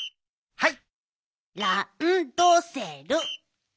はい！